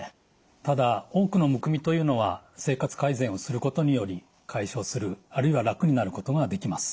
ただ多くのむくみというのは生活改善をすることにより解消するあるいは楽になることができます。